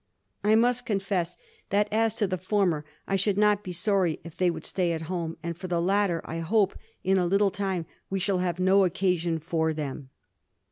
I must confess that, as to the former, I should not be sorry if they would stay at home, and, for the latter, I hope in a Httle time we shall have no occasion for them.'